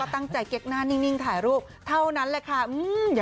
ตั้งใจเก็กหน้านิ่งถ่ายรูปเท่านั้นแหละค่ะ